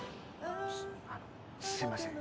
あっすみません。